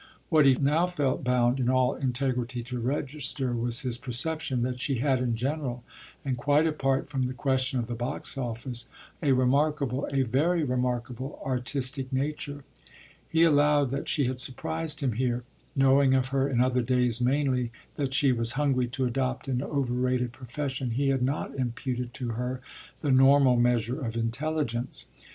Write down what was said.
What he now felt bound in all integrity to register was his perception that she had, in general and quite apart from the question of the box office, a remarkable, a very remarkable, artistic nature. He allowed that she had surprised him here; knowing of her in other days mainly that she was hungry to adopt an overrated profession he had not imputed to her the normal measure of intelligence.